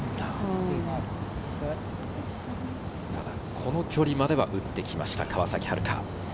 この距離までは打ってきました、川崎春花。